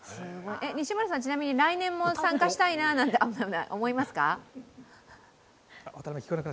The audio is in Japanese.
西村さん、ちなみに来年も参加したいななんて思いますか？